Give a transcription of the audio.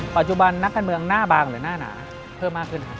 ปัจจุบันนักการเมืองหน้าบางหรือหน้าหนาเพิ่มมากขึ้นครับ